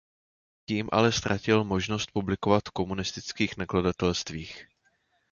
Tím ale ztratil možnost publikovat v komunistických nakladatelstvích.